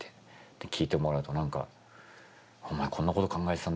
で聴いてもらうと何か「お前こんなこと考えてたんだね」みたいな。